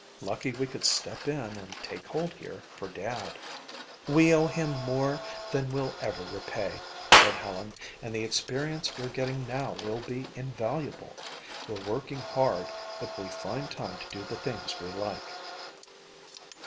Lucky we could step in and take hold here for Dad." "We owe him more than we'll ever repay," said Helen, "and the experience we're getting now will be invaluable. We're working hard but we find time to do the things we like."